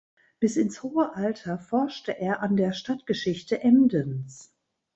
Bis ins hohe Alter forschte er an der Stadtgeschichte Emdens.